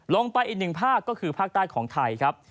ลงไปอีกหนึ่งภาคก็คือภาคใต้ของไทยครับ